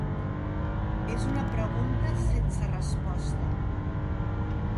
És una pregunta sense resposta.